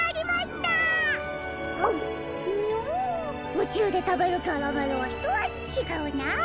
うちゅうでたべるキャラメルはひとあじちがうな。